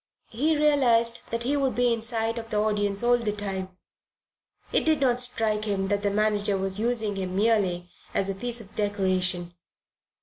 He realized that he would be in sight of the audience all the time. It did not strike him that the manager was using him merely as a piece of decoration.